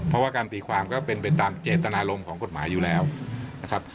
เพราะว่าการตีความก็เป็นไปตามเจตนารมณ์ของกฎหมายอยู่แล้วนะครับ